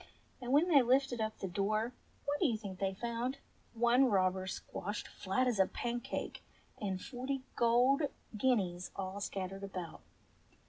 And when they lifted up the door what do you think they found ^ One robber squashed flat as a pancake and forty golden guineas all scattered about